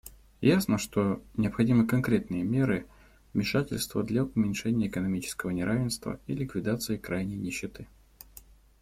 Ясно, что необходимы конкретные меры вмешательства для уменьшения экономического неравенства и ликвидации крайней нищеты.